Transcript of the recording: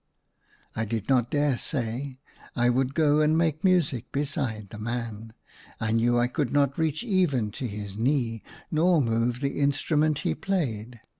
I did not dare say I would go and make music beside the man. I knew I could not reach even to his knee, nor move the instrument he played.